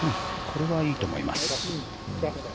これはいいと思います。